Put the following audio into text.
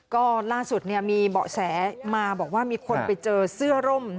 ก็ล่าสุดมีเบาะแสมาบอกว่ามีคนไปเจอเสื้อร่ม